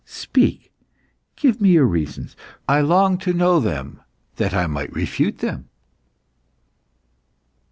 Speak! give me your reasons. I long to know them that I may refute them."